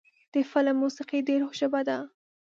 د فلم موسیقي د روح ژبه ده.